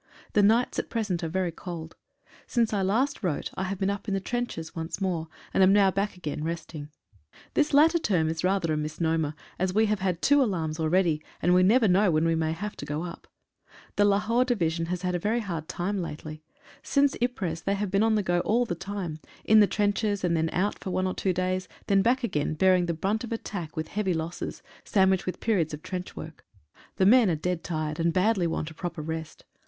The nights at present are very cold. Since I last wrote I have been up in the trenches once more, and am now back again resting. This latter term is rather a misnomer, as we have had two alarms already, and we never know when we may have to go up. The Lahore Division has had a very hard time lately. Since Ypres they have been on the go all the time; in the trenches, and then out for one or two days, then back again bearing the "brunt of attack with heavy losses, sandwiched with 78 FLOWERS ON THE BATTLEFIELD. periods of trench work. The men are dead tired, and badly want a proper rest.